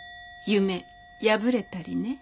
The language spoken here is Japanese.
「夢破れたり」ね。